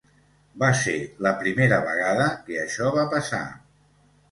Va ser la primera vegada que això va passar.